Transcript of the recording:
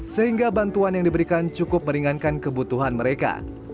sehingga bantuan yang diberikan cukup meringankan kebutuhan mereka